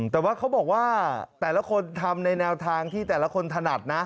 แต่ว่าเขาบอกว่าแต่ละคนทำในแนวทางที่แต่ละคนถนัดนะ